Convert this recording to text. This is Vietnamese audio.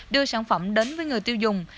đưa sản phẩm đến với người tiêu dùng